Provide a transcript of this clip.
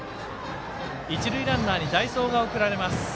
一塁ランナーに代走が送られます。